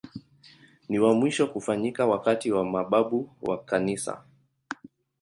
Ni wa mwisho kufanyika wakati wa mababu wa Kanisa.